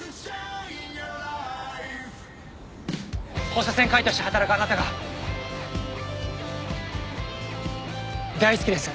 放射線科医として働くあなたが大好きです